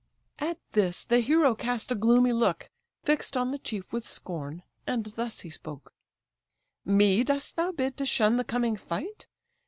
At this the hero cast a gloomy look, Fix'd on the chief with scorn; and thus he spoke: "Me dost thou bid to shun the coming fight?